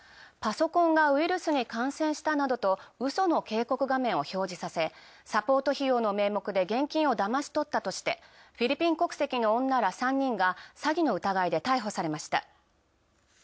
パソコンがウイルスに感染したなどとウソの警告画面を表示させ、サポート費用の名目で現金をだましとったとしてフィリピン国籍の女３人らが詐欺の疑いで逮捕されました。